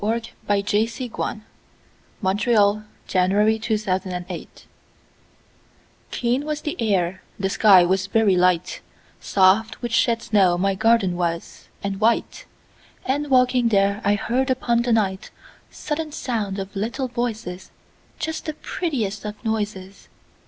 Philip Bourke Marston 1850–87 Garden Fairies KEEN was the air, the sky was very light, Soft with shed snow my garden was, and white, And, walking there, I heard upon the nightSudden sound of little voices, Just the prettiest of noises.